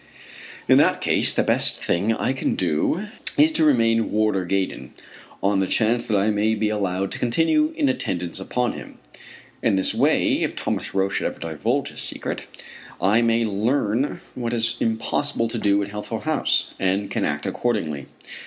In that case the best thing I can do is to remain Warder Gaydon, on the chance that I may be allowed to continue in attendance upon him. In this way, if Thomas Roch should ever divulge his secret, I may learn what it was impossible to do at Healthful House, and can act accordingly.